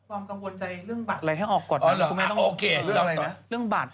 อะไรให้ออกก่อนไม่ต้องแล้วเลยนะ